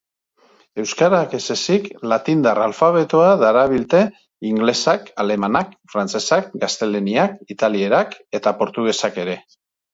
Euskarak ez ezik, latindar alfabetoa darabilte ingelesak, alemanak, frantsesak, gaztelaniak, italierak eta portugesak ere.